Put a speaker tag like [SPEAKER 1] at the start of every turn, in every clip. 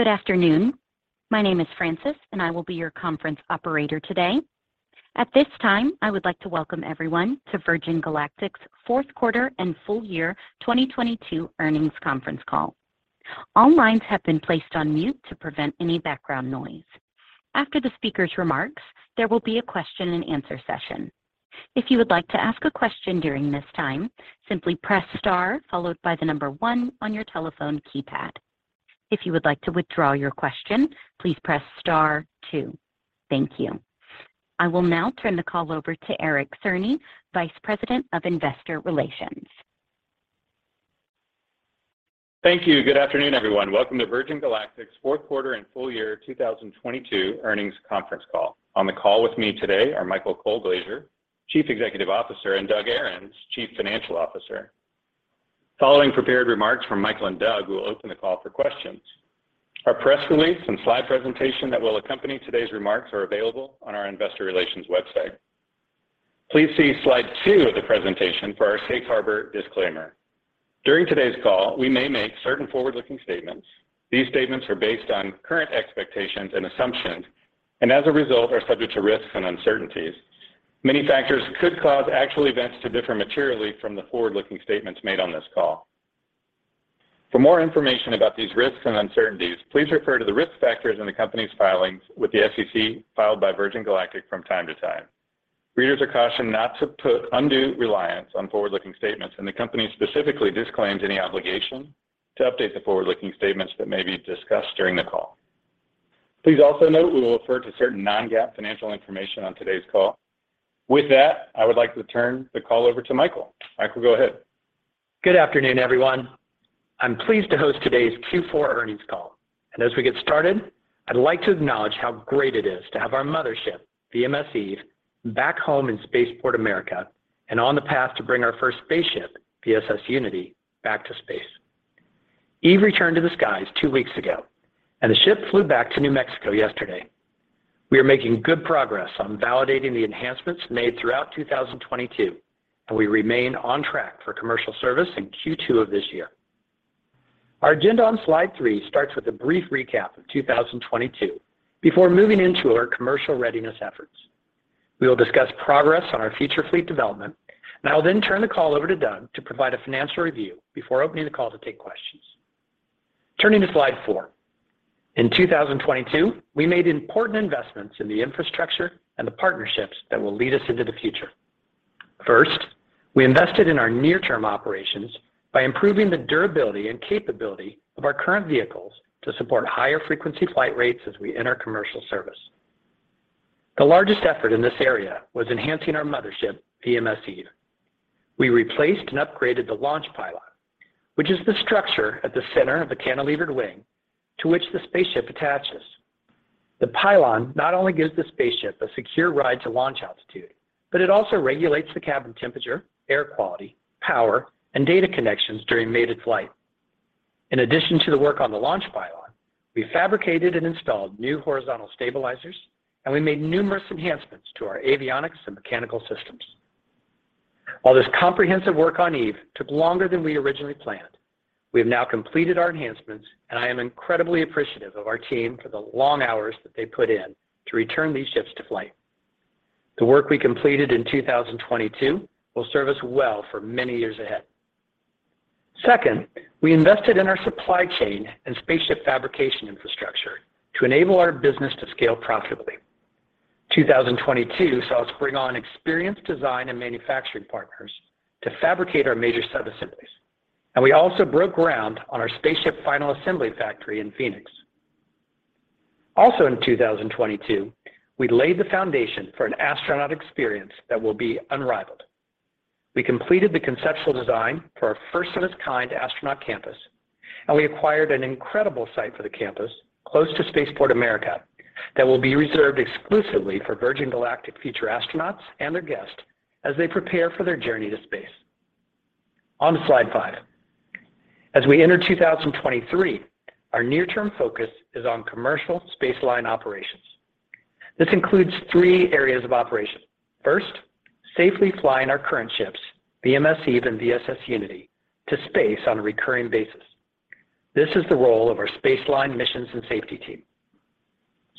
[SPEAKER 1] Good afternoon. My name is Francis, and I will be your conference operator today. At this time, I would like to welcome everyone to Virgin Galactic's 4th quarter and full year 2022 earnings conference call. All lines have been placed on mute to prevent any background noise. After the speaker's remarks, there will be a question and answer session. If you would like to ask a question during this time, simply press star followed by the number 1 on your telephone keypad. If you would like to withdraw your question, please press star two. Thank you. I will now turn the call over to Eric Cerny, Vice President of Investor Relations.
[SPEAKER 2] Thank you. Good afternoon, everyone. Welcome to Virgin Galactic's fourth quarter and full year 2022 earnings conference call. On the call with me today are Michael Colglazier, Chief Executive Officer, and Doug Ahrens, Chief Financial Officer. Following prepared remarks from Michael and Doug, we will open the call for questions. Our press release and slide presentation that will accompany today's remarks are available on our investor relations website. Please see slide two of the presentation for our safe harbor disclaimer. During today's call, we may make certain forward-looking statements. These statements are based on current expectations and assumptions, as a result, are subject to risks and uncertainties. Many factors could cause actual events to differ materially from the forward-looking statements made on this call. For more information about these risks and uncertainties, please refer to the risk factors in the company's filings with the SEC filed by Virgin Galactic from time to time. Readers are cautioned not to put undue reliance on forward-looking statements. The company specifically disclaims any obligation to update the forward-looking statements that may be discussed during the call. Please also note we will refer to certain non-GAAP financial information on today's call. With that, I would like to turn the call over to Michael. Michael, go ahead.
[SPEAKER 3] Good afternoon, everyone. I'm pleased to host today's Q4 earnings call. As we get started, I'd like to acknowledge how great it is to have our mothership, VMS Eve, back home in Spaceport America and on the path to bring our first spaceship, VSS Unity, back to space. Eve returned to the skies two weeks ago, and the ship flew back to New Mexico yesterday. We are making good progress on validating the enhancements made throughout 2022, and we remain on track for commercial service in Q2 of this year. Our agenda on slide three starts with a brief recap of 2022 before moving into our commercial readiness efforts. We will discuss progress on our future fleet development, and I will then turn the call over to Doug to provide a financial review before opening the call to take questions. Turning to slide four. In 2022, we made important investments in the infrastructure and the partnerships that will lead us into the future. 1st, we invested in our near-term operations by improving the durability and capability of our current vehicles to support higher frequency flight rates as we enter commercial service. The largest effort in this area was enhancing our mothership, VMS Eve. We replaced and upgraded the launch pylon, which is the structure at the center of the cantilevered wing to which the spaceship attaches. The pylon not only gives the spaceship a secure ride to launch altitude, but it also regulates the cabin temperature, air quality, power, and data connections during mated flight. In addition to the work on the launch pylon, we fabricated and installed new horizontal stabilizers, and we made numerous enhancements to our avionics and mechanical systems. While this comprehensive work on Eve took longer than we originally planned, we have now completed our enhancements, and I am incredibly appreciative of our team for the long hours that they put in to return these ships to flight. The work we completed in 2022 will serve us well for many years ahead. 2nd, we invested in our supply chain and spaceship fabrication infrastructure to enable our business to scale profitably. 2022 saw us bring on experienced design and manufacturing partners to fabricate our major subassemblies, and we also broke ground on our spaceship final assembly factory in Phoenix. In 2022, we laid the foundation for an astronaut experience that will be unrivaled. We completed the conceptual design for our first of its kind astronaut campus. We acquired an incredible site for the campus close to Spaceport America that will be reserved exclusively for Virgin Galactic future astronauts and their guests as they prepare for their journey to space. On to slide five. As we enter 2023, our near-term focus is on commercial space line operations. This includes three areas of operation. 1st, safely flying our current ships, VMS Eve and VSS Unity, to space on a recurring basis. This is the role of our space line missions and safety team.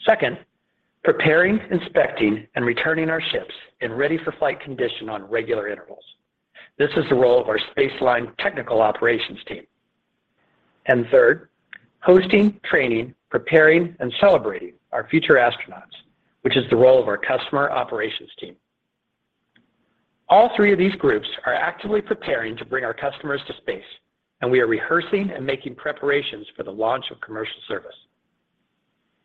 [SPEAKER 3] 2nd, preparing, inspecting, and returning our ships in ready-for-flight condition on regular intervals. This is the role of our space line technical operations team. 3rd, hosting, training, preparing, and celebrating our future astronauts, which is the role of our customer operations team. All three of these groups are actively preparing to bring our customers to space, and we are rehearsing and making preparations for the launch of commercial service.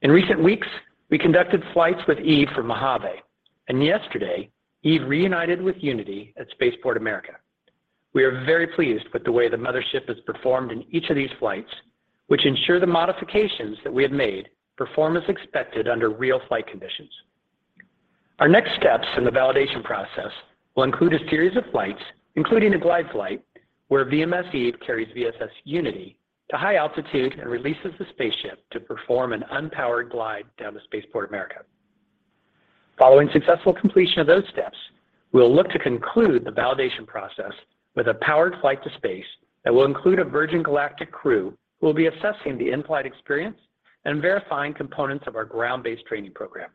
[SPEAKER 3] In recent weeks, we conducted flights with Eve from Mojave, and yesterday, Eve reunited with Unity at Spaceport America. We are very pleased with the way the mothership has performed in each of these flights, which ensure the modifications that we have made perform as expected under real flight conditions. Our next steps in the validation process will include a series of flights, including a glide flight, where VMS Eve carries VSS Unity to high altitude and releases the spaceship to perform an unpowered glide down to Spaceport America. Following successful completion of those steps, we'll look to conclude the validation process with a powered flight to space that will include a Virgin Galactic crew who will be assessing the in-flight experience and verifying components of our ground-based training program.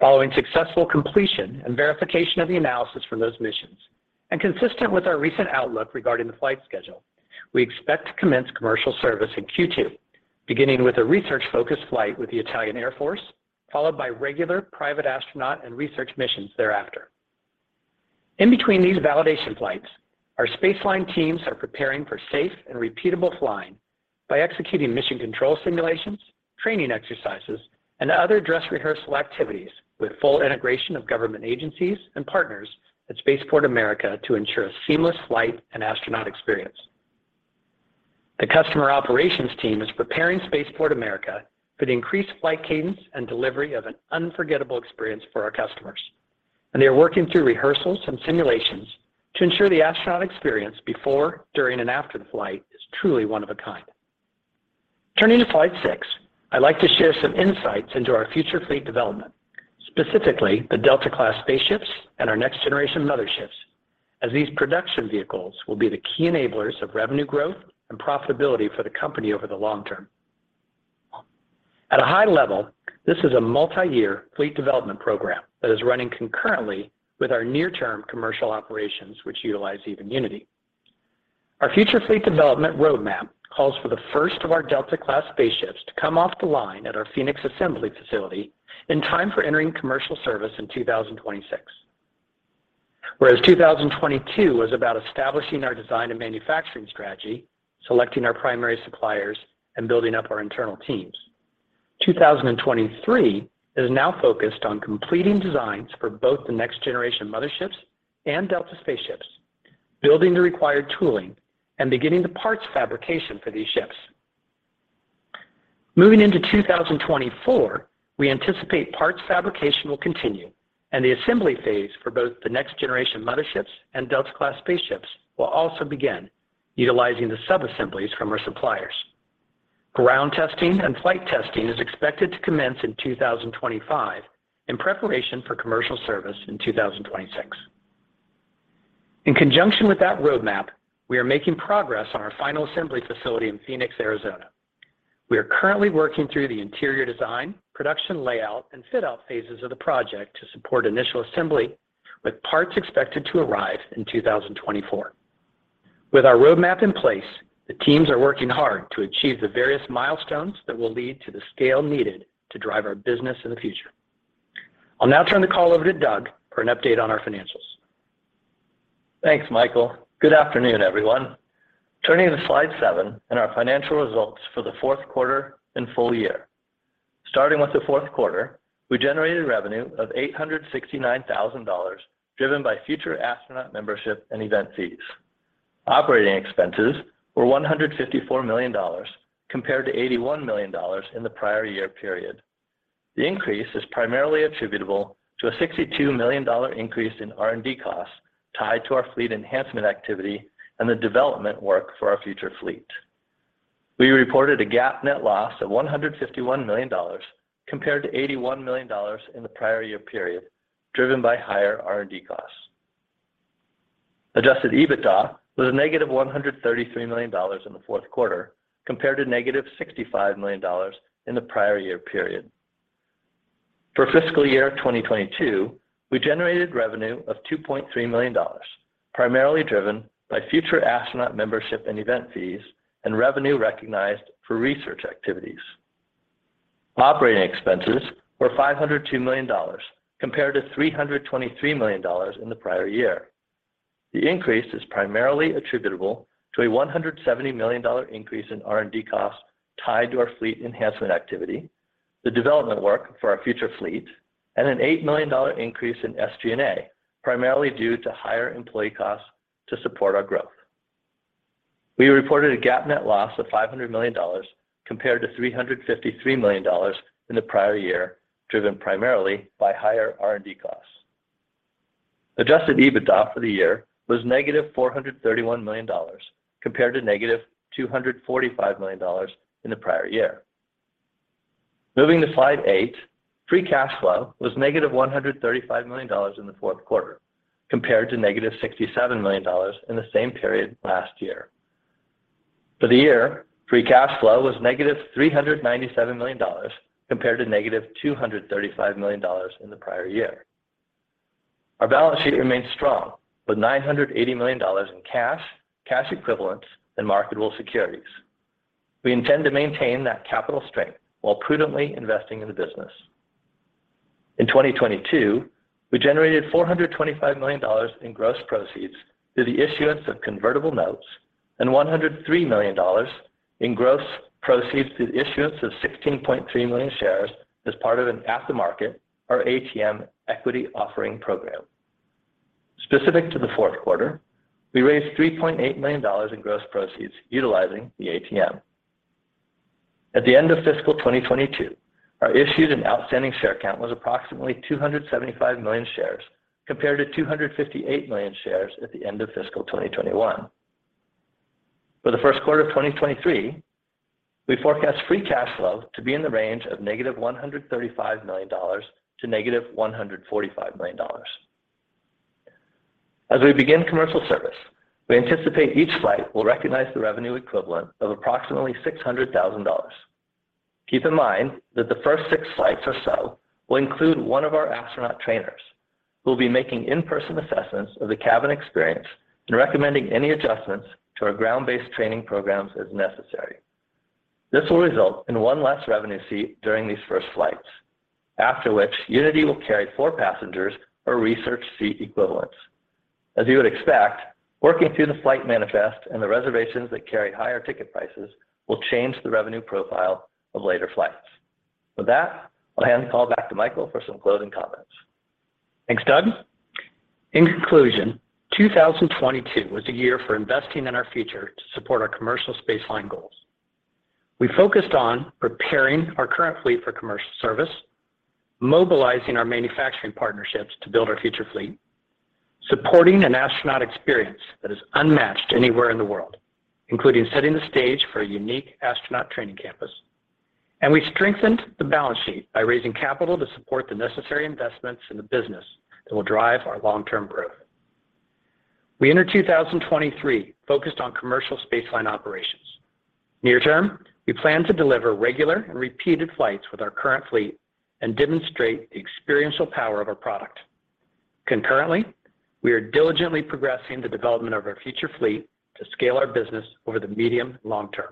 [SPEAKER 3] Following successful completion and verification of the analysis from those missions, and consistent with our recent outlook regarding the flight schedule, we expect to commence commercial service in Q2, beginning with a research-focused flight with the Italian Air Force, followed by regular private astronaut and research missions thereafter. In between these validation flights, our space line teams are preparing for safe and repeatable flying by executing mission control simulations, training exercises, and other dress rehearsal activities with full integration of government agencies and partners at Spaceport America to ensure a seamless flight and astronaut experience. The customer operations team is preparing Spaceport America for the increased flight cadence and delivery of an unforgettable experience for our customers. They are working through rehearsals and simulations to ensure the astronaut experience before, during, and after the flight is truly one of a kind. Turning to slide six, I'd like to share some insights into our future fleet development, specifically the Delta class spaceships and our next generation of motherships, as these production vehicles will be the key enablers of revenue growth and profitability for the company over the long term. At a high level, this is a multi-year fleet development program that is running concurrently with our near-term commercial operations, which utilize Eve Unity. Our future fleet development roadmap calls for the first of our Delta class spaceships to come off the line at our Phoenix assembly facility in time for entering commercial service in 2026. 2022 was about establishing our design and manufacturing strategy, selecting our primary suppliers, and building up our internal teams. 2023 is now focused on completing designs for both the next generation motherships and Delta class spaceships, building the required tooling, and beginning the parts fabrication for these ships. Moving into 2024, we anticipate parts fabrication will continue and the assembly phase for both the next generation motherships and Delta class spaceships will also begin, utilizing the subassemblies from our suppliers. Ground testing and flight testing is expected to commence in 2025 in preparation for commercial service in 2026. In conjunction with that roadmap, we are making progress on our final assembly facility in Phoenix, Arizona. We are currently working through the interior design, production layout, and fit out phases of the project to support initial assembly, with parts expected to arrive in 2024. With our roadmap in place, the teams are working hard to achieve the various milestones that will lead to the scale needed to drive our business in the future. I'll now turn the call over to Doug for an update on our financials.
[SPEAKER 4] Thanks, Michael. Good afternoon, everyone. Turning to slide seven and our financial results for the fourth quarter and full year. Starting with the fourth quarter, we generated revenue of $869,000 driven by future astronaut membership and event fees. Operating expenses were $154 million compared to $81 million in the prior year period. The increase is primarily attributable to a $62 million increase in R&D costs tied to our fleet enhancement activity and the development work for our future fleet. We reported a GAAP net loss of $151 million compared to $81 million in the prior year period, driven by higher R&D costs. Adjusted EBITDA was a negative $133 million in the fourth quarter compared to negative $65 million in the prior year period. For fiscal year 2022, we generated revenue of $2.3 million, primarily driven by future astronaut membership and event fees and revenue recognized for research activities. Operating expenses were $502 million compared to $323 million in the prior year. The increase is primarily attributable to a $170 million increase in R&D costs tied to our fleet enhancement activity, the development work for our future fleet, and an $8 million increase in SG&A, primarily due to higher employee costs to support our growth. We reported a GAAP net loss of $500 million compared to $353 million in the prior year, driven primarily by higher R&D costs. Adjusted EBITDA for the year was -$431 million compared to -$245 million in the prior year. Moving to slide eight, free cash flow was -$135 million in the fourth quarter compared to -$67 million in the same period last year. For the year, free cash flow was -$397 million compared to -$235 million in the prior year. Our balance sheet remains strong with $980 million in cash equivalents, and marketable securities. We intend to maintain that capital strength while prudently investing in the business. In 2022, we generated $425 million in gross proceeds through the issuance of convertible notes and $103 million in gross proceeds through the issuance of 16.3 million shares as part of an after-market, or ATM, equity offering program. Specific to the fourth quarter, we raised $3.8 million in gross proceeds utilizing the ATM. At the end of fiscal 2022, our issued and outstanding share count was approximately 275 million shares compared to 258 million shares at the end of fiscal 2021. For the first quarter of 2023, we forecast free cash flow to be in the range of -$135 million to -$145 million. As we begin commercial service, we anticipate each flight will recognize the revenue equivalent of approximately $600,000. Keep in mind that the first 6 flights or so will include one of our astronaut trainers who will be making in-person assessments of the cabin experience and recommending any adjustments to our ground-based training programs as necessary. This will result in one less revenue seat during these first flights. After which, Unity will carry four passengers or research seat equivalents. As you would expect, working through the flight manifest and the reservations that carry higher ticket prices will change the revenue profile of later flights. With that, I'll hand the call back to Michael for some closing comments.
[SPEAKER 3] Thanks, Doug. In conclusion, 2022 was a year for investing in our future to support our commercial spaceflight goals. We focused on preparing our current fleet for commercial service, mobilizing our manufacturing partnerships to build our future fleet, supporting an astronaut experience that is unmatched anywhere in the world, including setting the stage for a unique astronaut training campus. We strengthened the balance sheet by raising capital to support the necessary investments in the business that will drive our long-term growth. We enter 2023 focused on commercial spaceflight operations. Near term, we plan to deliver regular and repeated flights with our current fleet and demonstrate the experiential power of our product. Concurrently, we are diligently progressing the development of our future fleet to scale our business over the medium and long term.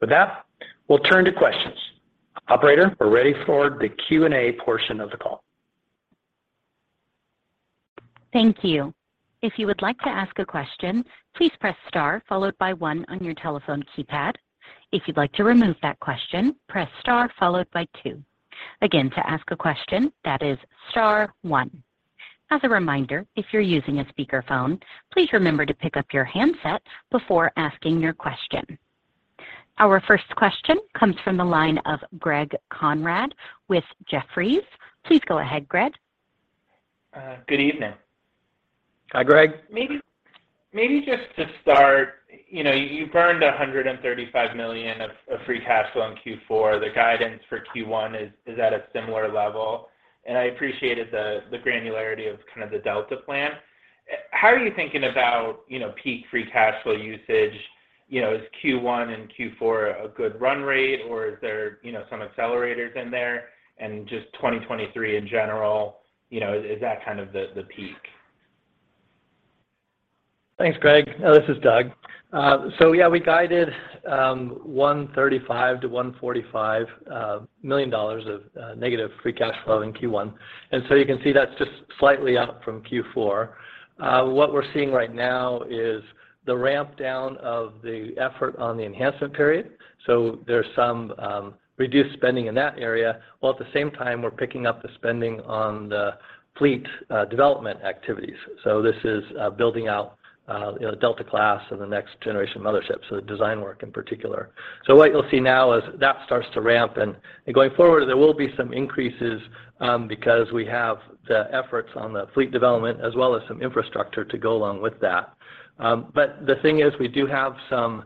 [SPEAKER 3] With that, we'll turn to questions. Operator, we're ready for the Q&A portion of the call.
[SPEAKER 1] Thank you. If you would like to ask a question, please press star followed by one on your telephone keypad. If you'd like to remove that question, press star followed by two. Again, to ask a question, that is star one. As a reminder, if you're using a speakerphone, please remember to pick up your handset before asking your question. Our first question comes from the line of Greg Konrad with Jefferies. Please go ahead, Greg.
[SPEAKER 5] Good evening.
[SPEAKER 3] Hi, Greg.
[SPEAKER 5] Maybe just to start, you know, you burned $135 million of free cash flow in Q4. The guidance for Q1 is at a similar level. I appreciated the granularity of kind of the Delta class. How are you thinking about, you know, peak free cash flow usage? You know, is Q1 and Q4 a good run rate, or is there, you know, some accelerators in there? Just 2023 in general, you know, is that kind of the peak?
[SPEAKER 4] Thanks, Greg. This is Doug. We guided $135 million-$145 million of negative free cash flow in Q1. You can see that's just slightly up from Q4. What we're seeing right now is the ramp down of the effort on the enhancement period. There's some reduced spending in that area, while at the same time we're picking up the spending on the fleet development activities. This is building out Delta class and the next generation motherships, so the design work in particular. What you'll see now is that starts to ramp, going forward, there will be some increases because we have the efforts on the fleet development as well as some infrastructure to go along with that. The thing is, we do have some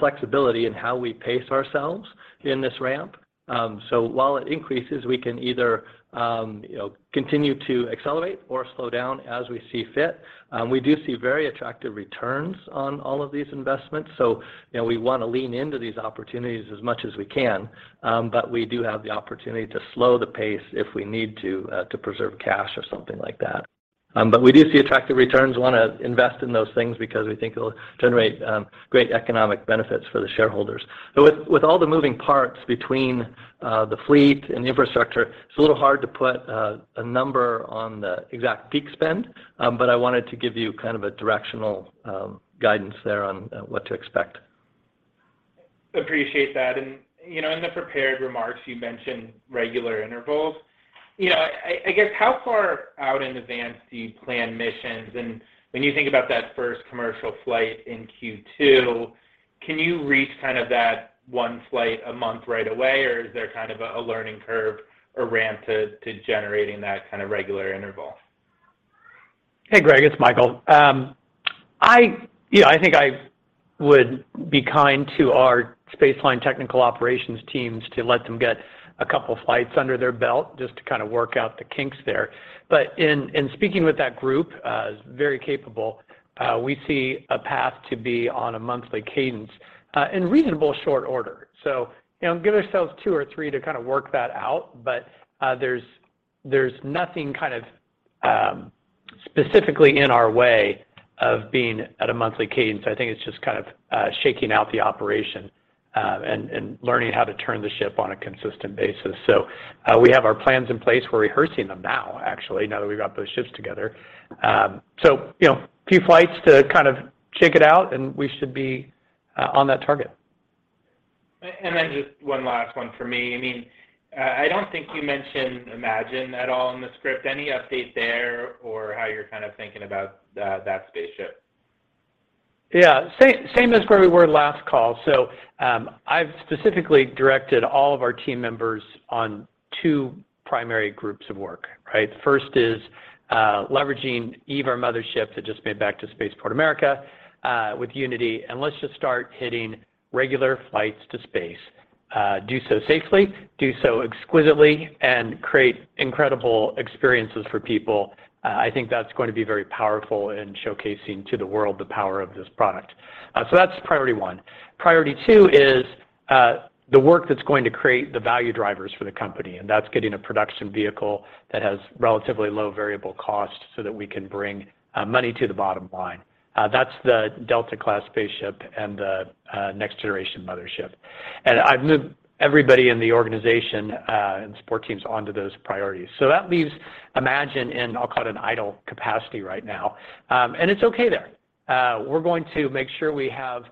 [SPEAKER 4] flexibility in how we pace ourselves in this ramp. While it increases, we can either, you know, continue to accelerate or slow down as we see fit. We do see very attractive returns on all of these investments, so, you know, we want to lean into these opportunities as much as we can. We do have the opportunity to slow the pace if we need to preserve cash or something like that. We do see attractive returns. We want to invest in those things because we think it'll generate great economic benefits for the shareholders. With all the moving parts between the fleet and the infrastructure, it's a little hard to put a number on the exact peak spend. I wanted to give you kind of a directional guidance there on what to expect.
[SPEAKER 5] Appreciate that. You know, in the prepared remarks, you mentioned regular intervals. You know, I guess how far out in advance do you plan missions? When you think about that first commercial flight in Q2, can you reach kind of that one flight a month right away, or is there kind of a learning curve or ramp to generating that kind of regular interval?
[SPEAKER 3] Hey, Greg, it's Michael. You know, I think I would be kind to our space line technical operations teams to let them get two flights under their belt just to kind of work out the kinks there. In speaking with that group, it's very capable, we see a path to be on a monthly cadence in reasonable short order. You know, give ourselves two or three to kind of work that out. There's nothing kind of specifically in our way of being at a monthly cadence. I think it's just kind of shaking out the operation, and learning how to turn the ship on a consistent basis. We have our plans in place. We're rehearsing them now, actually, now that we've got those ships together. You know, a few flights to kind of shake it out, and we should be on that target.
[SPEAKER 5] Just one last one for me. I mean, I don't think you mentioned Imagine at all in the script. Any update there or how you're kind of thinking about that spaceship?
[SPEAKER 3] Yeah. Same as where we were last call. I've specifically directed all of our team members on two primary groups of work, right? First is leveraging Eve, our mothership, that just made back to Spaceport America, with Unity, and let's just start hitting regular flights to space. Do so safely, do so exquisitely, and create incredible experiences for people. I think that's going to be very powerful in showcasing to the world the power of this product. That's priority one. Priority two is the work that's going to create the value drivers for the company, and that's getting a production vehicle that has relatively low variable cost so that we can bring money to the bottom line. That's the Delta class spaceship and the next generation mothership. I've moved everybody in the organization and support teams onto those priorities. That leaves Imagine in, I'll call it an idle capacity right now. It's okay there. We're going to make sure we have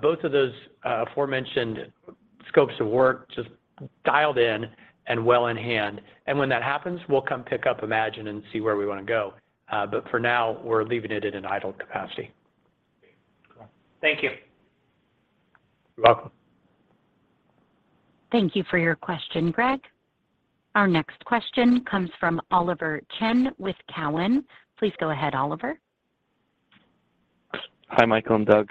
[SPEAKER 3] both of those aforementioned scopes of work just dialed in and well in hand. When that happens, we'll come pick up Imagine and see where we wanna go. For now, we're leaving it in an idle capacity.
[SPEAKER 5] Great. Thank you.
[SPEAKER 3] You're welcome.
[SPEAKER 1] Thank you for your question, Greg. Our next question comes from Oliver Chen with Cowen. Please go ahead, Oliver.
[SPEAKER 6] Hi, Michael and Doug.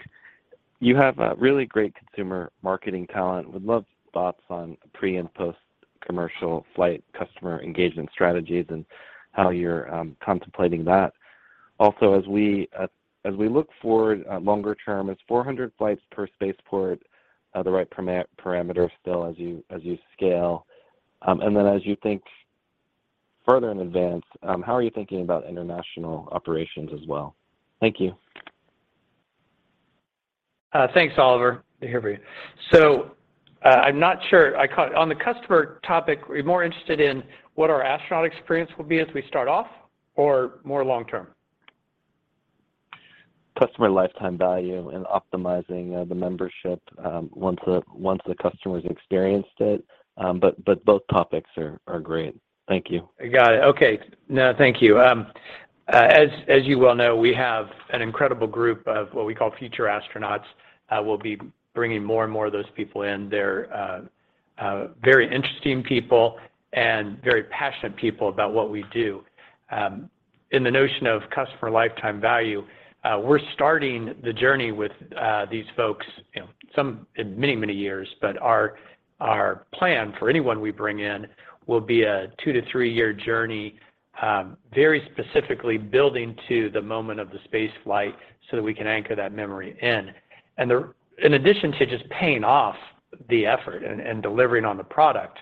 [SPEAKER 6] You have a really great consumer marketing talent. Would love thoughts on pre- and post-commercial flight customer engagement strategies and how you're contemplating that? As we look forward, longer term, is 400 flights per spaceport, the right parameter still as you scale? As you think further in advance, how are you thinking about international operations as well? Thank you.
[SPEAKER 3] Thanks, Oliver. Here for you. I'm not sure. On the customer topic, are you more interested in what our astronaut experience will be as we start off or more long term?
[SPEAKER 6] Customer lifetime value and optimizing, the membership, once the customer's experienced it. Both topics are great. Thank you.
[SPEAKER 3] I got it. Okay. No, thank you. As you well know, we have an incredible group of what we call future astronauts. We'll be bringing more and more of those people in. They're very interesting people and very passionate people about what we do. In the notion of customer lifetime value, we're starting the journey with these folks, you know, some many, many years. Our plan for anyone we bring in will be a two to three-year journey, very specifically building to the moment of the spaceflight so that we can anchor that memory in. In addition to just paying off the effort and delivering on the product,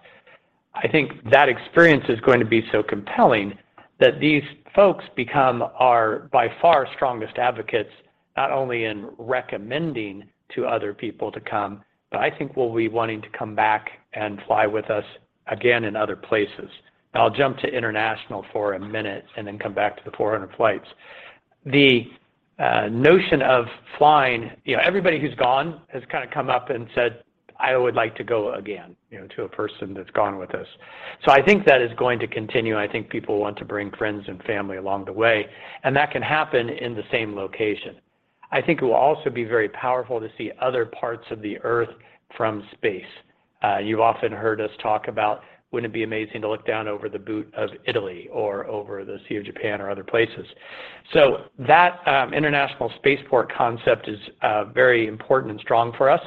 [SPEAKER 3] I think that experience is going to be so compelling that these folks become our, by far, strongest advocates, not only in recommending to other people to come, but I think will be wanting to come back and fly with us again in other places. I'll jump to international for a minute and then come back to the 400 flights. The notion of flying, you know, everybody who's gone has kind of come up and said, "I would like to go again," you know, to a person that's gone with us. I think that is going to continue, and I think people want to bring friends and family along the way, and that can happen in the same location. I think it will also be very powerful to see other parts of the Earth from space. You've often heard us talk about, wouldn't it be amazing to look down over the boot of Italy or over the Sea of Japan or other places. That international spaceport concept is very important and strong for us,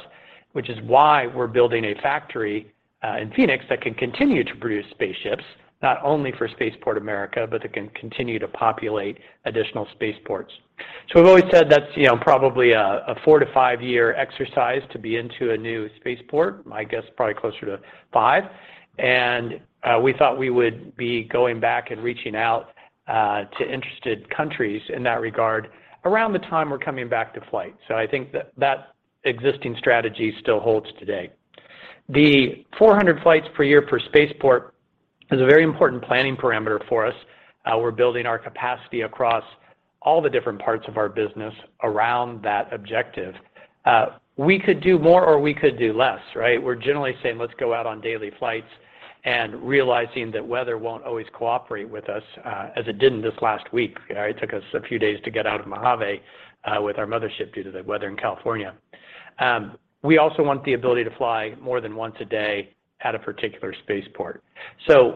[SPEAKER 3] which is why we're building a factory in Phoenix that can continue to produce spaceships, not only for Spaceport America, but that can continue to populate additional spaceports. We've always said that's, you know, probably a 4-5-year exercise to be into a new spaceport, my guess probably closer to five. We thought we would be going back and reaching out to interested countries in that regard around the time we're coming back to flight. I think that existing strategy still holds today. The 400 flights per year per spaceport is a very important planning parameter for us. We're building our capacity across all the different parts of our business around that objective. We could do more or we could do less, right? We're generally saying, let's go out on daily flights and realizing that weather won't always cooperate with us, as it didn't this last week. You know, it took us a few days to get out of Mojave, with our mothership due to the weather in California. We also want the ability to fly more than once a day at a particular spaceport.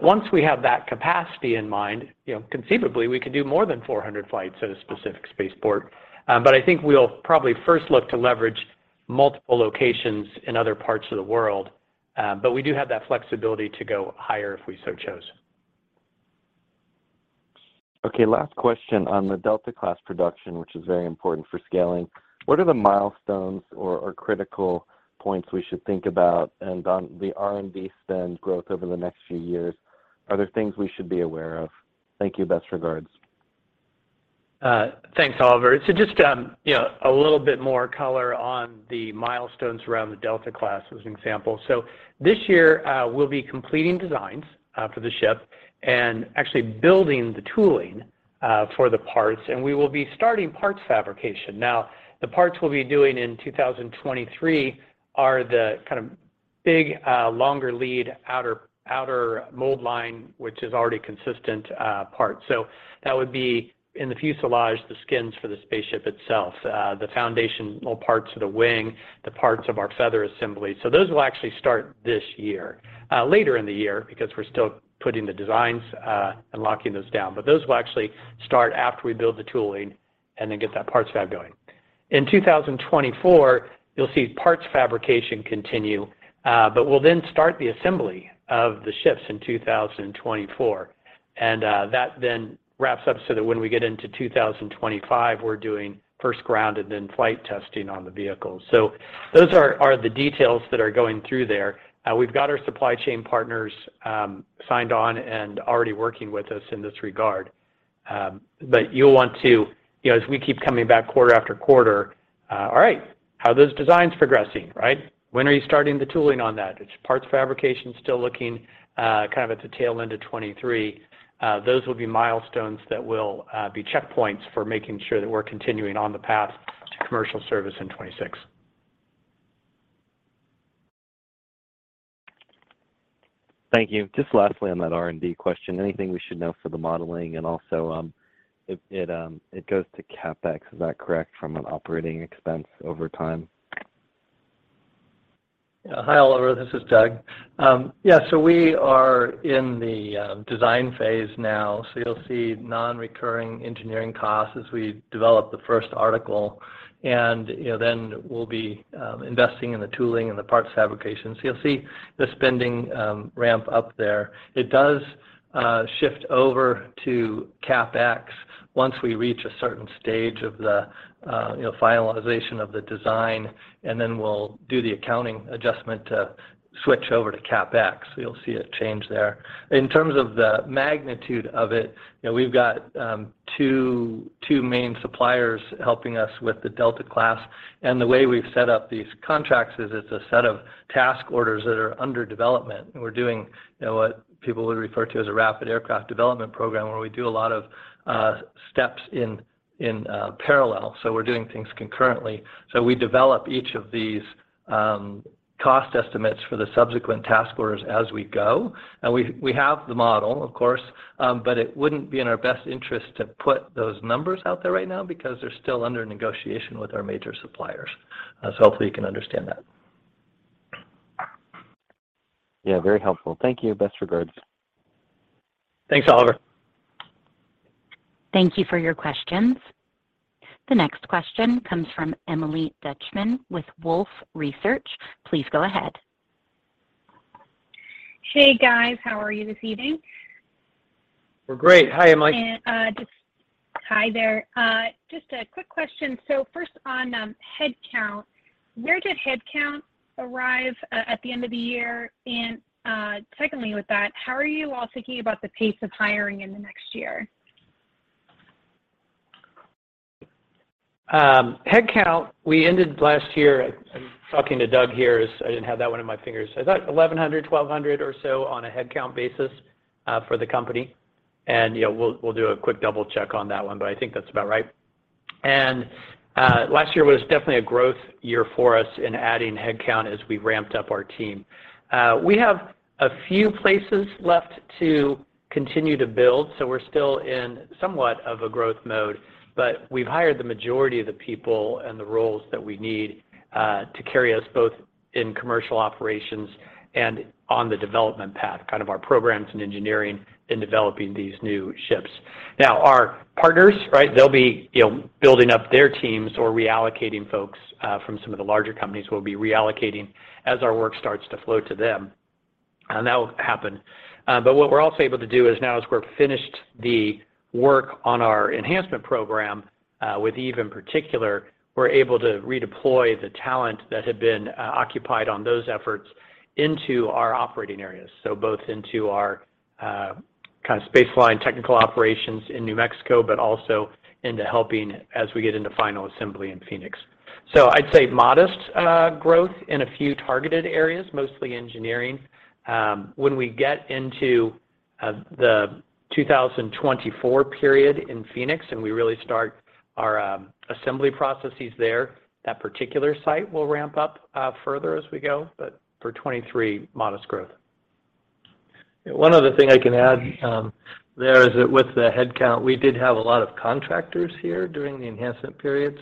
[SPEAKER 3] Once we have that capacity in mind, you know, conceivably, we can do more than 400 flights at a specific spaceport. I think we'll probably first look to leverage multiple locations in other parts of the world, but we do have that flexibility to go higher if we so chose.
[SPEAKER 6] Okay, last question on the Delta class production, which is very important for scaling. What are the milestones or critical points we should think about? On the R&D spend growth over the next few years, are there things we should be aware of? Thank you. Best regards.
[SPEAKER 3] Thanks, Oliver. Just, you know, a little bit more color on the milestones around the Delta class as an example. This year, we'll be completing designs for the ship and actually building the tooling for the parts, and we will be starting parts fabrication. Now, the parts we'll be doing in 2023 are the kind of big, longer lead outer mold line, which is already consistent parts. That would be in the fuselage, the skins for the spaceship itself, the foundational parts of the wing, the parts of our feather assembly. Those will actually start this year, later in the year because we're still putting the designs and locking those down. Those will actually start after we build the tooling and then get that parts fab going. In 2024, you'll see parts fabrication continue, but we'll then start the assembly of the ships in 2024. That then wraps up so that when we get into 2025, we're doing first ground and then flight testing on the vehicles. Those are the details that are going through there. We've got our supply chain partners, signed on and already working with us in this regard. You'll want to, you know, as we keep coming back quarter after quarter. All right, how are those designs progressing? When are you starting the tooling on that? Is parts fabrication still looking kind of at the tail end of 2023? Those will be milestones that will be checkpoints for making sure that we're continuing on the path to commercial service in 2026.
[SPEAKER 6] Thank you. Just lastly on that R&D question, anything we should know for the modeling, and also, it goes to CapEx, is that correct, from an operating expense over time?
[SPEAKER 4] Hi, Oliver, this is Doug. We are in the design phase now. You'll see non-recurring engineering costs as we develop the first article. You know, then we'll be investing in the tooling and the parts fabrication. You'll see the spending ramp up there. It does shift over to CapEx once we reach a certain stage of the, you know, finalization of the design, and then we'll do the accounting adjustment to switch over to CapEx. You'll see a change there. In terms of the magnitude of it, you know, we've got two main suppliers helping us with the Delta class. The way we've set up these contracts is it's a set of task orders that are under development. We're doing, you know, what people would refer to as a rapid aircraft development program, where we do a lot of steps in parallel. We're doing things concurrently. We develop each of these cost estimates for the subsequent task orders as we go. We, we have the model, of course, but it wouldn't be in our best interest to put those numbers out there right now because they're still under negotiation with our major suppliers. Hopefully you can understand that.
[SPEAKER 6] Yeah, very helpful. Thank you. Best regards.
[SPEAKER 3] Thanks, Oliver.
[SPEAKER 1] Thank you for your questions. The next question comes from Myles Walton with Wolfe Research. Please go ahead.
[SPEAKER 7] Hey, guys. How are you this evening?
[SPEAKER 3] We're great. Hi, Myles Walton.
[SPEAKER 7] Hi there. Just a quick question. First on headcount. Where did headcount arrive at the end of the year? Secondly with that, how are you all thinking about the pace of hiring in the next year?
[SPEAKER 3] Headcount, we ended last year. I'm talking to Doug here as I didn't have that one in my fingers. I thought 1,100, 1,200 or so on a headcount basis for the company. You know, we'll do a quick double check on that one, but I think that's about right. Last year was definitely a growth year for us in adding headcount as we ramped up our team. We have a few places left to continue to build, so we're still in somewhat of a growth mode. We've hired the majority of the people and the roles that we need to carry us both in commercial operations and on the development path, kind of our programs in engineering in developing these new ships. Our partners, right? They'll be, you know, building up their teams or reallocating folks from some of the larger companies. We'll be reallocating as our work starts to flow to them. That will happen. What we're also able to do is now as we're finished the work on our enhancement program, with Eve in particular, we're able to redeploy the talent that had been occupied on those efforts into our operating areas. Both into our, kind of space line technical operations in New Mexico, but also into helping as we get into final assembly in Phoenix. I'd say modest, growth in a few targeted areas, mostly engineering. When we get into the 2024 period in Phoenix and we really start our assembly processes there, that particular site will ramp up further as we go. For 23, modest growth. One other thing I can add, there is that with the headcount, we did have a lot of contractors here during the enhancement period.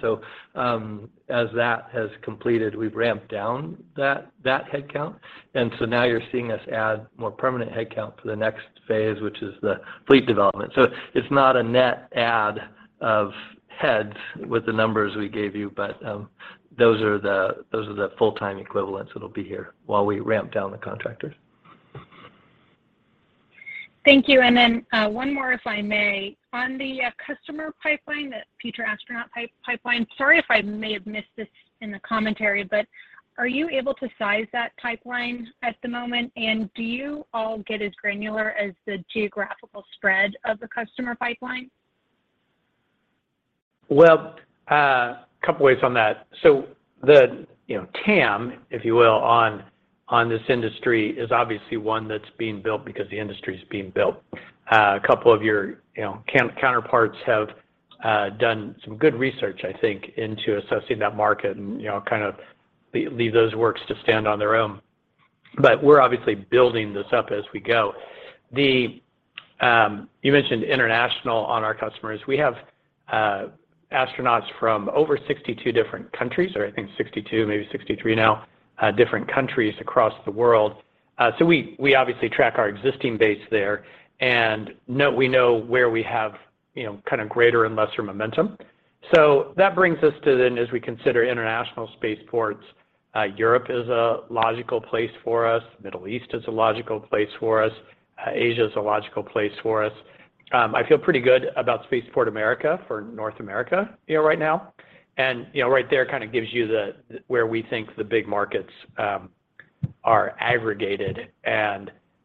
[SPEAKER 3] As that has completed, we've ramped down that headcount. Now you're seeing us add more permanent headcount for the next phase, which is the fleet development. It's not a net add of heads with the numbers we gave you, but those are the full-time equivalents that'll be here while we ramp down the contractors.
[SPEAKER 7] Thank you. one more, if I may. On the customer pipeline, the future astronaut pipeline. Sorry if I may have missed this in the commentary, are you able to size that pipeline at the moment? Do you all get as granular as the geographical spread of the customer pipeline?
[SPEAKER 3] Well, a couple ways on that. The, you know, TAM, if you will, on this industry is obviously one that's being built because the industry is being built. A couple of your, you know, counterparts have done some good research, I think, into assessing that market and, you know, kind of leave those works to stand on their own. We're obviously building this up as we go. You mentioned international on our customers. We have astronauts from over 62 different countries, or I think 62, maybe 63 now, different countries across the world. We obviously track our existing base there and know we know where we have, you know, kind of greater and lesser momentum. That brings us to then as we consider international space ports. Europe is a logical place for us. Middle East is a logical place for us. Asia is a logical place for us. I feel pretty good about Spaceport America for North America, you know, right now. You know, right there kind of gives you the, where we think the big markets, are aggregated.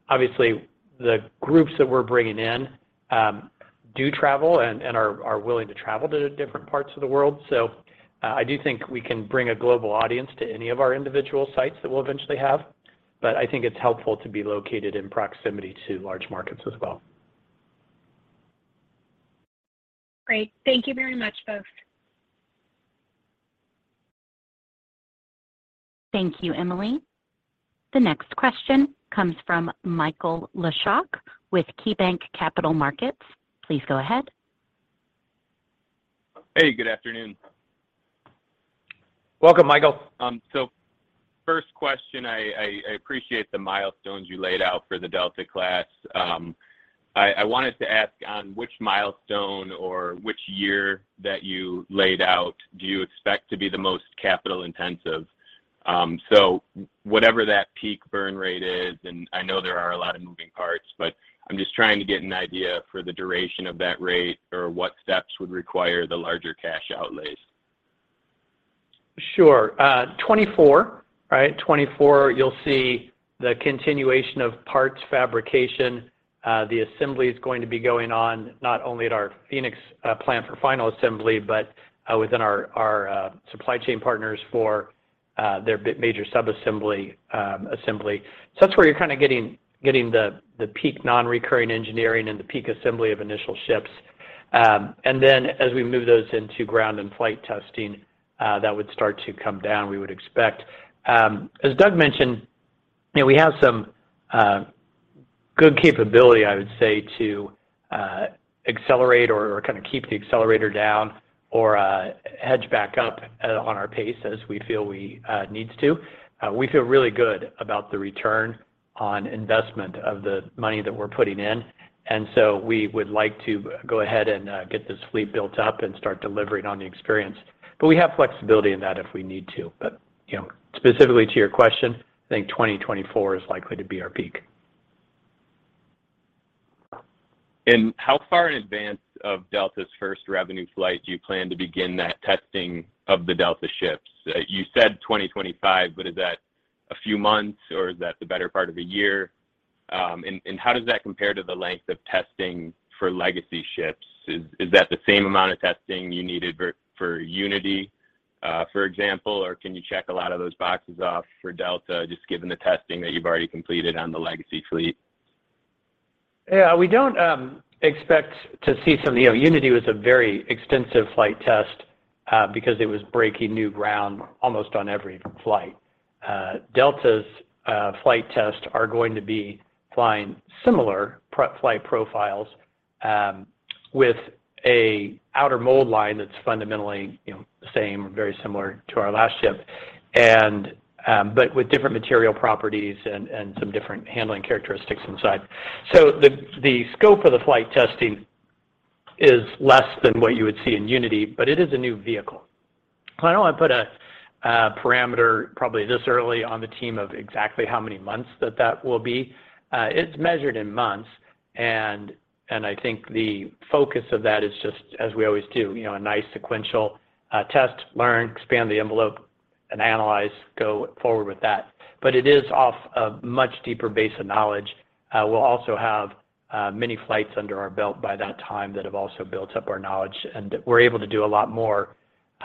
[SPEAKER 3] Obviously the groups that we're bringing in, do travel and are willing to travel to different parts of the world. I do think we can bring a global audience to any of our individual sites that we'll eventually have. I think it's helpful to be located in proximity to large markets as well.
[SPEAKER 7] Great. Thank you very much, folks.
[SPEAKER 1] Thank you, Myles. The next question comes from Michael Leshock with KeyBanc Capital Markets. Please go ahead.
[SPEAKER 8] Hey, good afternoon.
[SPEAKER 3] Welcome, Michael.
[SPEAKER 8] First question, I appreciate the milestones you laid out for the Delta class. I wanted to ask on which milestone or which year that you laid out do you expect to be the most capital-intensive? Whatever that peak burn rate is, and I know there are a lot of moving parts, but I'm just trying to get an idea for the duration of that rate or what steps would require the larger cash outlays?
[SPEAKER 3] Sure. 2024, right, 2024, you'll see the continuation of parts fabrication. The assembly is going to be going on not only at our Phoenix plant for final assembly, but within our supply chain partners for their major sub-assembly assembly. That's where you're kind of getting the peak non-recurring engineering and the peak assembly of initial ships. And then as we move those into ground and flight testing, that would start to come down, we would expect. As Doug mentioned, you know, we have some good capability, I would say, to accelerate or kind of keep the accelerator down or hedge back up at, on our pace as we feel we needs to. We feel really good about the return on investment of the money that we're putting in. We would like to go ahead and get this fleet built up and start delivering on the experience. We have flexibility in that if we need to. You know, specifically to your question, I think 2024 is likely to be our peak.
[SPEAKER 8] How far in advance of Delta's first revenue flight do you plan to begin that testing of the Delta ships? You said 2025, but is that a few months or is that the better part of a year? How does that compare to the length of testing for legacy ships? Is that the same amount of testing you needed for Unity, for example? Can you check a lot of those boxes off for Delta just given the testing that you've already completed on the legacy fleet?
[SPEAKER 3] We don't expect to see some. You know, VSS Unity was a very extensive flight test because it was breaking new ground almost on every flight. Delta class flight tests are going to be flying similar flight profiles with a outer mold line that's fundamentally, you know, same or very similar to our last ship and but with different material properties and some different handling characteristics inside. The scope of the flight testing is less than what you would see in VSS Unity, but it is a new vehicle. I don't want to put a parameter probably this early on the team of exactly how many months that that will be. It's measured in months and I think the focus of that is just as we always do, you know, a nice sequential test, learn, expand the envelope, and analyze, go forward with that. It is off a much deeper base of knowledge. We'll also have many flights under our belt by that time that have also built up our knowledge and we're able to do a lot more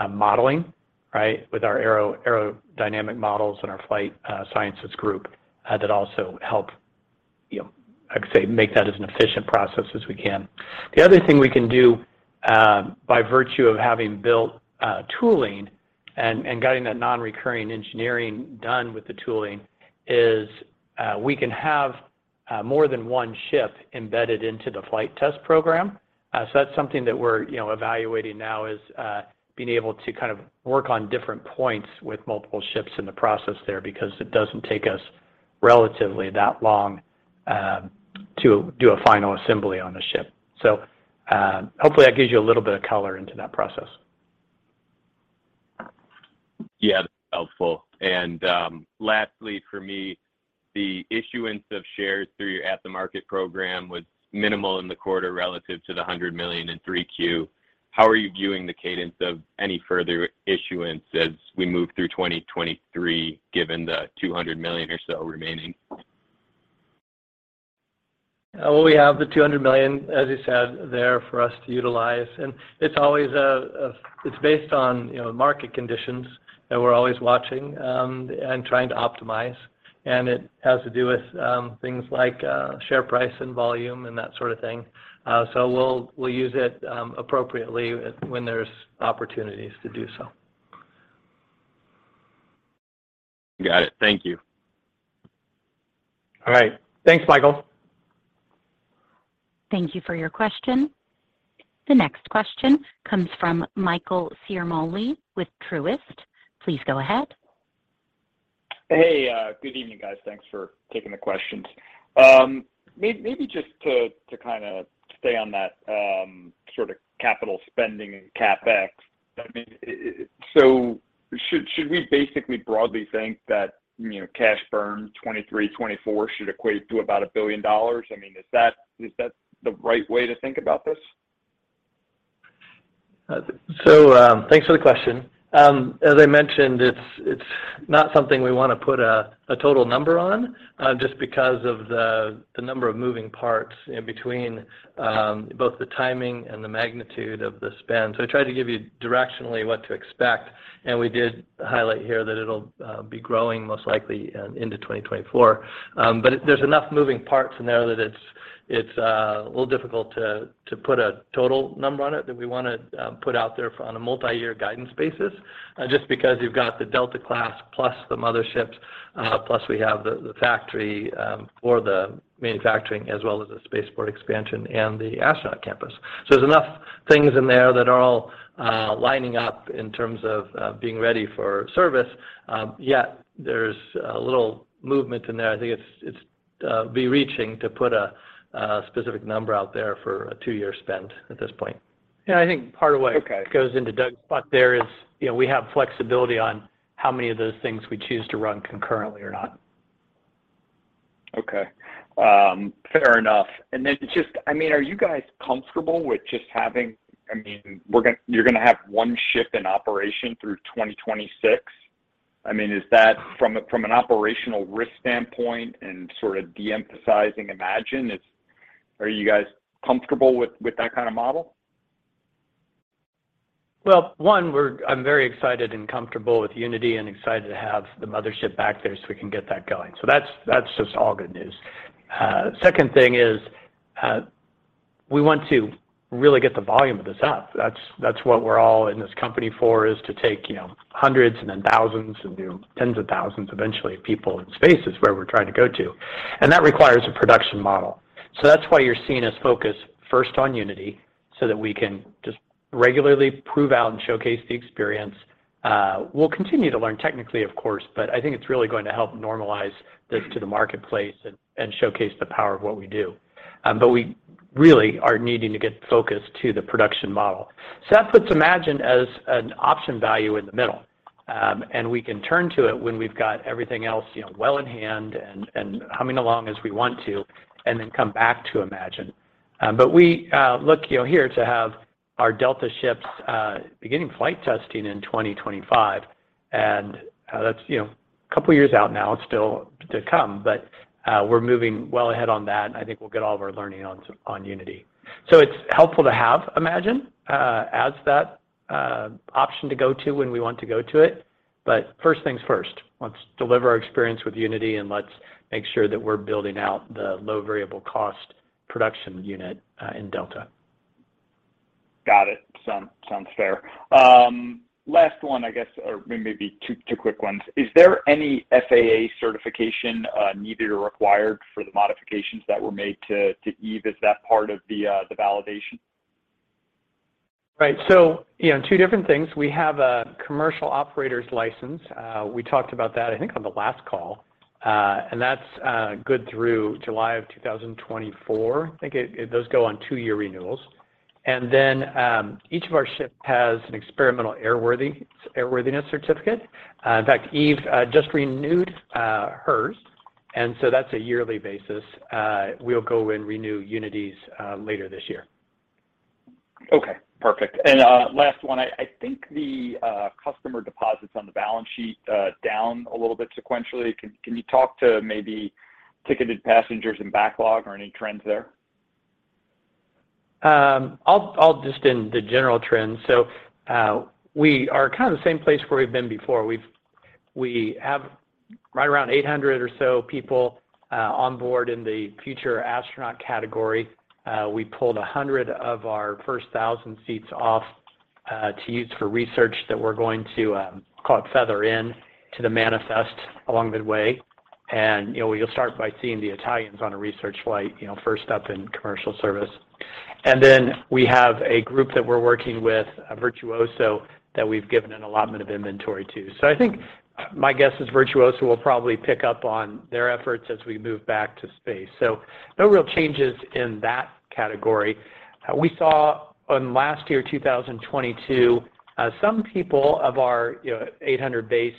[SPEAKER 3] modeling, right, with our aerodynamic models and our flight sciences group that also help, you know, I'd say make that as an efficient process as we can. The other thing we can do by virtue of having built tooling and getting that non-recurring engineering done with the tooling is we can have more than one ship embedded into the flight test program. That's something that we're, you know, evaluating now is being able to kind of work on different points with multiple ships in the process there because it doesn't take us relatively that long to do a final assembly on a ship. Hopefully that gives you a little bit of color into that process.
[SPEAKER 8] Yeah. That's helpful. Lastly for me, the issuance of shares through your at the market program was minimal in the quarter relative to the $100 million in 3Q. How are you viewing the cadence of any further issuance as we move through 2023, given the $200 million or so remaining?
[SPEAKER 3] Well, we have the $200 million, as you said, there for us to utilize. It's always based on, you know, market conditions that we're always watching and trying to optimize. It has to do with things like share price and volume and that sort of thing. We'll use it appropriately when there's opportunities to do so.
[SPEAKER 8] Got it. Thank you.
[SPEAKER 3] All right. Thanks, Michael.
[SPEAKER 1] Thank you for your question. The next question comes from Michael Ciarmoli with Truist. Please go ahead.
[SPEAKER 9] Hey, good evening, guys. Thanks for taking the questions. Maybe just to kind of stay on that sort of capital spending and CapEx, I mean, should we basically broadly think that, you know, cash burn 2023, 2024 should equate to about $1 billion? I mean, is that the right way to think about this?
[SPEAKER 4] Thanks for the question. As I mentioned, it's not something we wanna put a total number on, just because of the number of moving parts in between, both the timing and the magnitude of the spend. I tried to give you directionally what to expect, and we did highlight here that it'll be growing most likely into 2024. But there's enough moving parts in there that it's a little difficult to put a total number on it that we wanna put out there on a multi-year guidance basis, just because you've got the Delta class plus the motherships, plus we have the factory for the manufacturing as well as the space port expansion and the astronaut campus. There's enough things in there that are all lining up in terms of being ready for service, yet there's a little movement in there. I think it's be reaching to put a specific number out there for a two-year spend at this point.
[SPEAKER 3] Yeah, I think part of.
[SPEAKER 9] Okay.
[SPEAKER 3] Goes into Doug's spot there is, you know, we have flexibility on how many of those things we choose to run concurrently or not.
[SPEAKER 9] Okay. Fair enough. Then just, I mean, are you guys comfortable with just you're gonna have one ship in operation through 2026? I mean, is that from an operational risk standpoint and sort of de-emphasizing Imagine? Are you guys comfortable with that kind of model?
[SPEAKER 3] Well, one, I'm very excited and comfortable with Unity and excited to have the mothership back there so we can get that going. That's just all good news. Second thing is, we want to really get the volume of this up. That's what we're all in this company for, is to take, you know, hundreds and then thousands and, you know, tens of thousands eventually of people in spaces where we're trying to go to. That requires a production model. That's why you're seeing us focus first on Unity, so that we can just regularly prove out and showcase the experience. We'll continue to learn technically, of course, but I think it's really going to help normalize this to the marketplace and showcase the power of what we do. We really are needing to get focused to the production model. That puts VSS Imagine as an option value in the middle, and we can turn to it when we've got everything else, you know, well in hand and humming along as we want to, and then come back to VSS Imagine. We look, you know, here to have our Delta class beginning flight testing in 2025, that's, you know, a couple years out now. It's still to come, we're moving well ahead on that, and I think we'll get all of our learning on VSS Unity. It's helpful to have VSS Imagine as that option to go to when we want to go to it. First things first, let's deliver our experience with Unity, and let's make sure that we're building out the low variable cost production unit, in Delta.
[SPEAKER 9] Got it. Sounds fair. Last one, I guess, or maybe two quick ones. Is there any FAA certification needed or required for the modifications that were made to Eve? Is that part of the validation?
[SPEAKER 3] Right. You know, two different things. We have a commercial operator's license. We talked about that, I think, on the last call. That's good through July of 2024. I think those go on two-year renewals. Then, each of our ship has an experimental airworthiness certificate. In fact, Eve just renewed hers, and so that's a yearly basis. We'll go and renew Unity's later this year.
[SPEAKER 9] Okay. Perfect. Last one. I think the customer deposit's on the balance sheet down a little bit sequentially. Can you talk to maybe ticketed passengers and backlog or any trends there?
[SPEAKER 3] I'll just in the general trends. We are kind of the same place where we've been before. We have right around 800 or so people on board in the future astronaut category. We pulled 100 of our first 1,000 seats off to use for research that we're going to call it feather in to the manifest along the way. You know, you'll start by seeing the Italians on a research flight, you know, first up in commercial service. We have a group that we're working with, Virtuoso, that we've given an allotment of inventory to. I think my guess is Virtuoso will probably pick up on their efforts as we move back to space. No real changes in that category. We saw on last year, 2022, some people of our, you know, 800 base,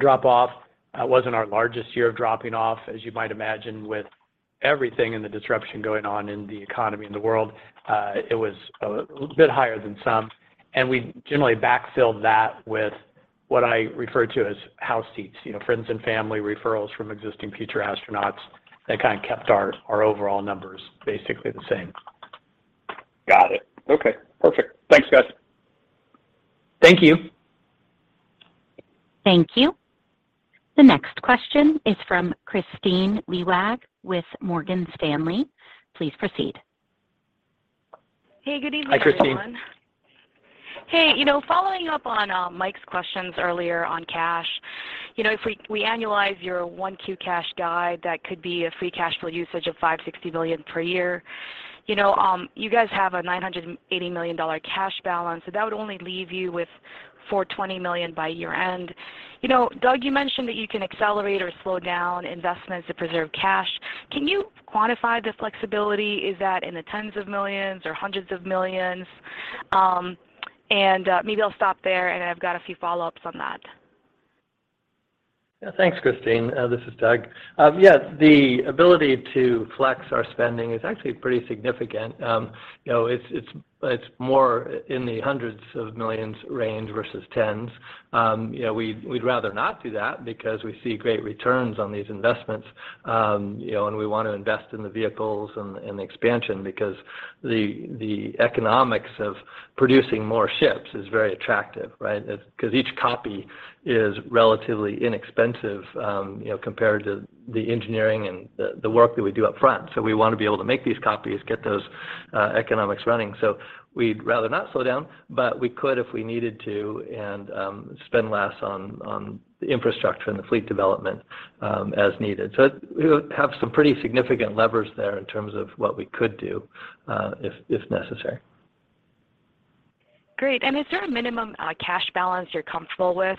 [SPEAKER 3] drop off. Wasn't our largest year of dropping off, as you might imagine, with everything and the disruption going on in the economy and the world. It was a little bit higher than some. We generally backfilled that with what I refer to as house seats. You know, friends and family referrals from existing future astronauts that kind of kept our overall numbers basically the same.
[SPEAKER 9] Got it. Okay. Perfect. Thanks, guys.
[SPEAKER 3] Thank you.
[SPEAKER 1] Thank you. The next question is from Kristine Liwag with Morgan Stanley. Please proceed.
[SPEAKER 10] Hey, good evening everyone.
[SPEAKER 3] Hi, Kristine.
[SPEAKER 10] Hey, you know, following up on Mike's questions earlier on cash. You know, if we annualize your 1Q cash guide, that could be a free cash flow usage of $560 million per year. You know, you guys have a $980 million cash balance, that would only leave you with $420 million by year-end. You know, Doug, you mentioned that you can accelerate or slow down investments to preserve cash. Can you quantify the flexibility? Is that in the tens of millions or hundreds of millions? Maybe I'll stop there, I've got a few follow-ups on that.
[SPEAKER 4] Yeah. Thanks, Kristine. This is Doug. Yes, the ability to flex our spending is actually pretty significant. You know, it's more in the hundreds of millions range versus tens. You know, we'd rather not do that because we see great returns on these investments, you know, and we wanna invest in the vehicles and the expansion because the economics of producing more ships is very attractive, right? 'Cause each copy is relatively inexpensive, you know, compared to the engineering and the work that we do up front. We wanna be able to make these copies, get those economics running. We'd rather not slow down, but we could if we needed to and spend less on the infrastructure and the fleet development as needed. We would have some pretty significant levers there in terms of what we could do, if necessary.
[SPEAKER 10] Great. Is there a minimum cash balance you're comfortable with?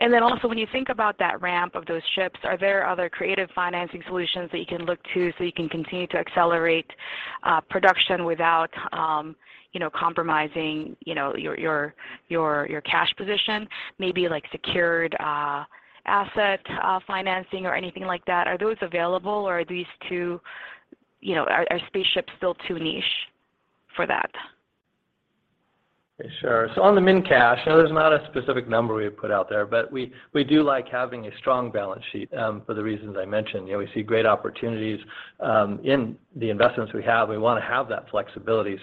[SPEAKER 10] Then also when you think about that ramp of those ships, are there other creative financing solutions that you can look to so you can continue to accelerate production without, you know, compromising, you know, your cash position? Maybe like secured asset financing or anything like that. Are those available or are these You know, spaceships still too niche for that?
[SPEAKER 4] Sure. On the min cash, you know, there's not a specific number we put out there, but we do like having a strong balance sheet, for the reasons I mentioned. You know, we see great opportunities, in the investments we have. We wanna have that flexibility.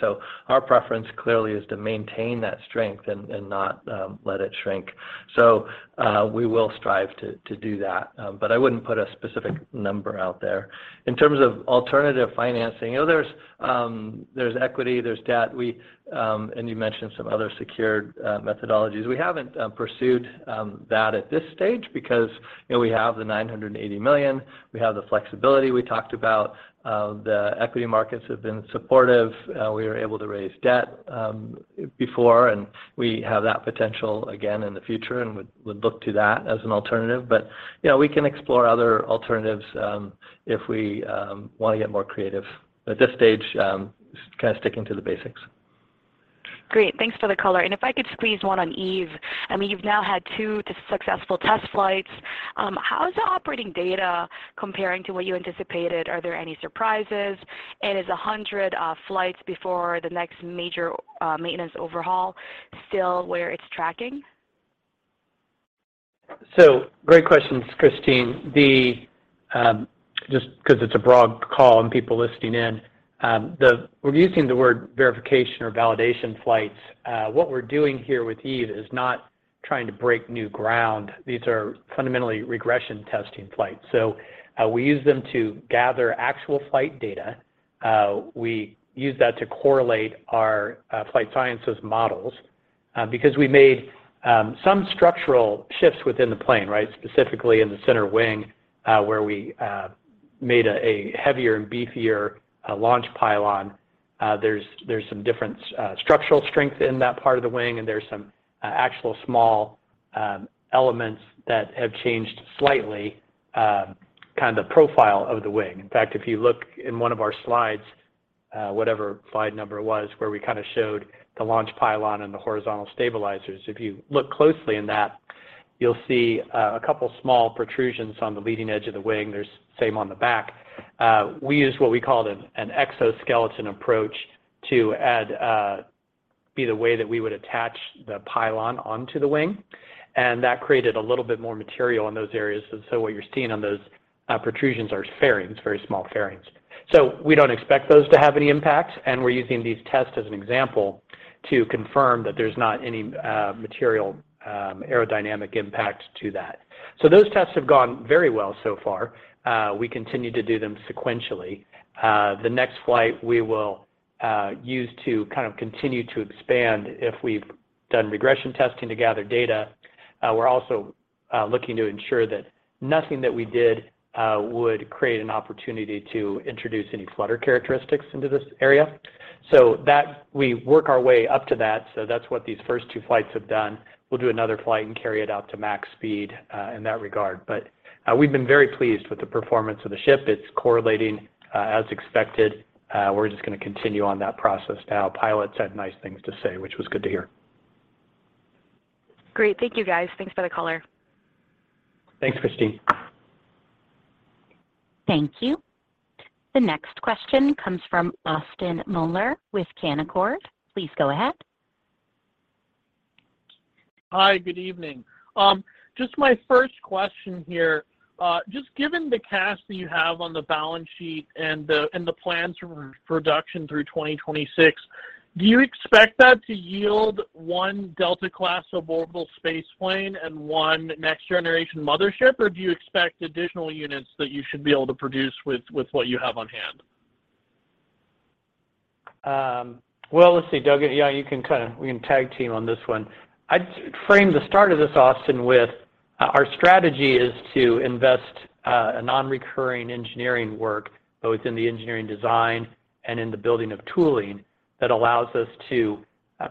[SPEAKER 4] Our preference clearly is to maintain that strength and not let it shrink. We will strive to do that. But I wouldn't put a specific number out there. In terms of alternative financing, you know, there's equity, there's debt. We, and you mentioned some other secured methodologies. We haven't pursued that at this stage because, you know, we have the $980 million. We have the flexibility we talked about. The equity markets have been supportive. We were able to raise debt before, and we have that potential again in the future and would look to that as an alternative. You know, we can explore other alternatives if we wanna get more creative. At this stage, just kind of sticking to the basics.
[SPEAKER 10] Great. Thanks for the color. If I could squeeze one on Eve. I mean, you've now had two successful test flights. How's the operating data comparing to what you anticipated? Are there any surprises? Is 100 flights before the next major maintenance overhaul still where it's tracking?
[SPEAKER 4] Great questions, Kristine. Just 'cause it's a broad call and people listening in, we're using the word verification or validation flights. What we're doing here with Eve is not trying to break new ground. These are fundamentally regression testing flights. We use them to gather actual flight data. We use that to correlate our flight sciences models because we made some structural shifts within the plane, right? Specifically in the center wing, where we made a heavier and beefier launch pylon. There's some different structural strength in that part of the wing, and there's some actual small elements that have changed slightly kind of the profile of the wing. In fact, if you look in one of our slides, whatever slide number it was, where we kind of showed the launch pylon and the horizontal stabilizers. If you look closely in that, you'll see a couple small protrusions on the leading edge of the wing. There's same on the back. We use what we call an exoskeleton approach to add, be the way that we would attach the pylon onto the wing, that created a little bit more material in those areas. What you're seeing on those protrusions are fairings, very small fairings. We don't expect those to have any impact, we're using these tests as an example to confirm that there's not any material aerodynamic impact to that. Those tests have gone very well so far. We continue to do them sequentially. The next flight we will use to kind of continue to expand if we've done regression testing to gather data. We're also looking to ensure that nothing that we did would create an opportunity to introduce any flutter characteristics into this area. We work our way up to that, so that's what these first two flights have done. We'll do another flight and carry it out to max speed in that regard. We've been very pleased with the performance of the ship. It's correlating as expected. We're just gonna continue on that process now. Pilots had nice things to say, which was good to hear.
[SPEAKER 10] Great. Thank you, guys. Thanks for the color.
[SPEAKER 3] Thanks, Kristine.
[SPEAKER 1] Thank you. The next question comes from Austin Moeller with Canaccord. Please go ahead.
[SPEAKER 11] Hi, good evening. Just my first question here. Just given the cash that you have on the balance sheet and the plans for production through 2026. Do you expect that to yield 1 Delta class orbital space plane and 1 next generation mothership? Or do you expect additional units that you should be able to produce with what you have on hand?
[SPEAKER 3] Well, let's see, Doug. Yeah, you can we can tag team on this one. I'd frame the start of this, Austin, with our strategy is to invest a non-recurring engineering work, both in the engineering design and in the building of tooling that allows us to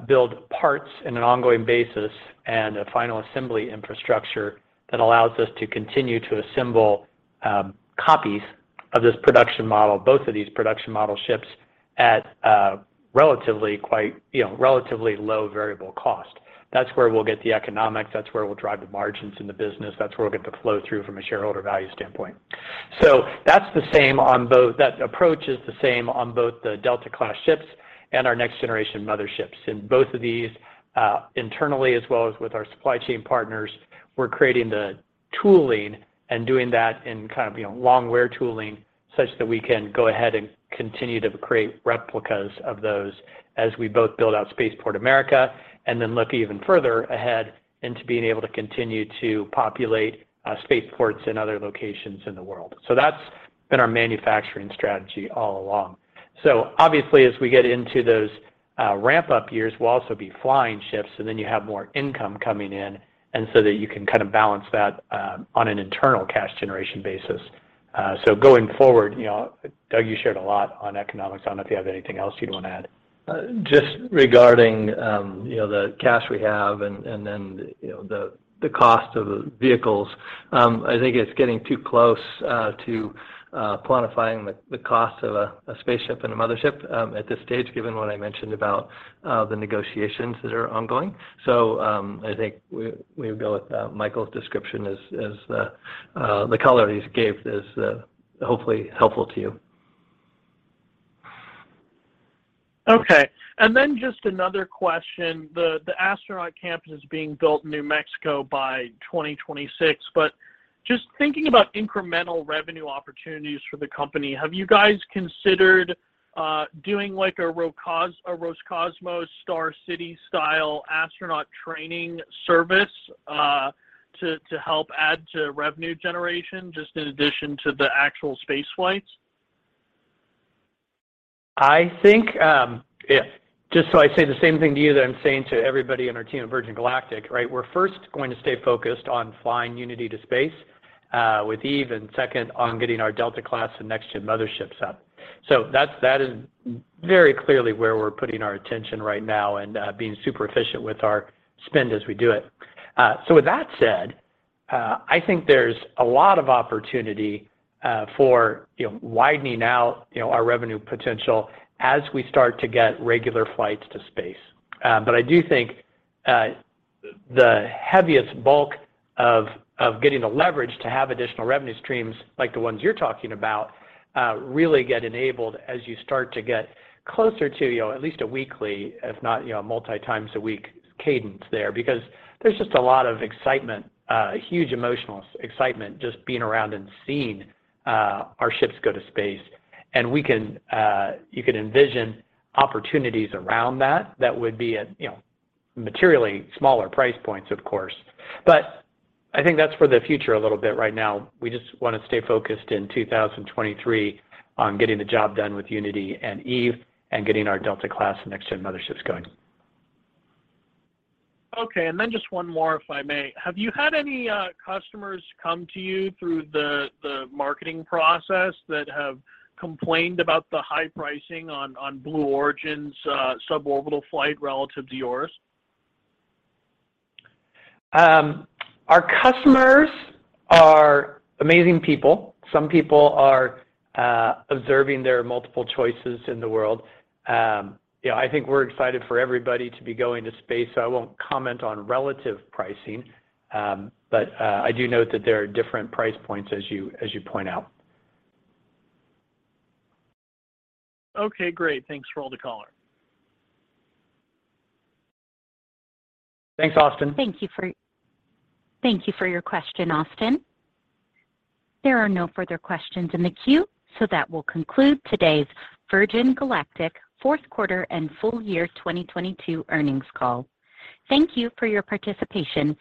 [SPEAKER 3] build parts in an ongoing basis and a final assembly infrastructure that allows us to continue to assemble copies of this production model, both of these production model ships at a relatively quite, you know, relatively low variable cost. That's where we'll get the economics, that's where we'll drive the margins in the business, that's where we'll get the flow-through from a shareholder value standpoint. That approach is the same on both the Delta class ships and our next generation motherships. In both of these, internally, as well as with our supply chain partners, we're creating the tooling and doing that in kind of, you know, long wear tooling such that we can go ahead and continue to create replicas of those as we both build out Spaceport America and then look even further ahead into being able to continue to populate space ports in other locations in the world. That's been our manufacturing strategy all along. Obviously, as we get into those ramp-up years, we'll also be flying ships, and then you have more income coming in and so that you can kind of balance that on an internal cash generation basis. Going forward, you know, Doug, you shared a lot on economics. I don't know if you have anything else you'd wanna add.
[SPEAKER 4] Just regarding, you know, the cash we have and then the, you know, the cost of the vehicles, I think it's getting too close to quantifying the cost of a spaceship and a mothership at this stage, given what I mentioned about the negotiations that are ongoing. I think we would go with Michael's description as the color he's gave is hopefully helpful to you.
[SPEAKER 11] Okay. Then just another question. The astronaut camp is being built in New Mexico by 2026, but just thinking about incremental revenue opportunities for the company, have you guys considered doing like a Roscosmos Star City style astronaut training service, to help add to revenue generation just in addition to the actual space flights?
[SPEAKER 3] I think, just so I say the same thing to you that I'm saying to everybody in our team at Virgin Galactic, right? We're first going to stay focused on flying Unity to space, with Eve and second on getting our Delta-class and next gen motherships up. That's, that is very clearly where we're putting our attention right now and being super efficient with our spend as we do it. With that said, I think there's a lot of opportunity for, you know, widening out, you know, our revenue potential as we start to get regular flights to space. I do think the heaviest bulk of getting the leverage to have additional revenue streams like the ones you're talking about, really get enabled as you start to get closer to at least a weekly, if not multi times a week cadence there. There's just a lot of excitement, a huge emotional excitement just being around and seeing our ships go to space. We can envision opportunities around that that would be at materially smaller price points, of course. I think that's for the future a little bit right now. We just wanna stay focused in 2023 on getting the job done with VSS Unity and VMS Eve and getting our Delta class next gen motherships going.
[SPEAKER 11] Okay, just one more, if I may. Have you had any customers come to you through the marketing process that have complained about the high pricing on Blue Origin's suborbital flight relative to yours?
[SPEAKER 3] Our customers are amazing people. Some people are observing their multiple choices in the world. You know, I think we're excited for everybody to be going to space, so I won't comment on relative pricing. I do note that there are different price points as you point out.
[SPEAKER 11] Okay, great. Thanks for all the color.
[SPEAKER 3] Thanks, Austin.
[SPEAKER 1] Thank you for your question, Austin. That will conclude today's Virgin Galactic fourth quarter and full year 2022 earnings call. Thank you for your participation.